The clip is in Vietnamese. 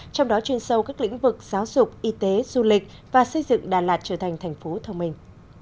trong đó chuyên sâu các lĩnh vực giáo dục y tế du lịch và xây dựng đà lạt trở thành thành phố thông minh